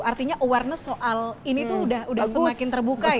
artinya awareness soal ini tuh udah semakin terbuka ya